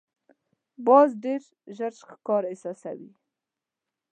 باز ډېر ژر ښکار احساسوي